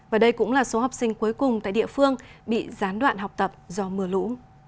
và đây cũng là số học sinh cuối cùng tại địa phương bị gián đoạn học tập do mưa lũ